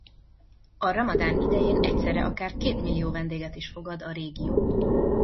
A ramadán idején egyszerre akár kétmillió vendéget is fogad a régió.